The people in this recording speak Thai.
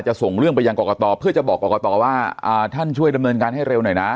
ส่งเรื่องไปยังกรกตเพื่อจะบอกกรกตว่าท่านช่วยดำเนินการให้เร็วหน่อยนะ